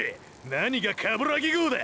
何がカブラギ号だ